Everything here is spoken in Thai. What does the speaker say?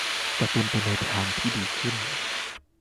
จะเป็นไปในทางที่ดีขึ้น